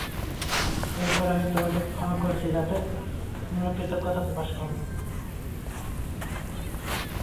এরপরও আমি তোমাদেরকে ক্ষমা করেছি যাতে তোমরা কৃতজ্ঞতা প্রকাশ কর।